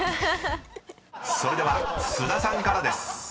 ［それでは菅田さんからです］